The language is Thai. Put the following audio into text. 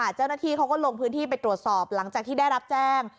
เจ้าหน้าที่เขาก็ลงพื้นที่ไปตรวจสอบหลังจากที่ได้รับแจ้ง